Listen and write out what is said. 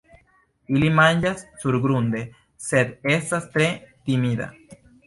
Ili manĝas surgrunde, sed estas tre timida.